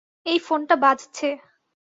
এই ফোনটা বাজছে।